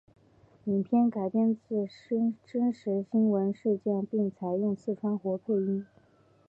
影片改编自真实新闻事件并采用四川话配音。